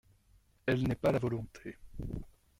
Elle n’est pas la volonté.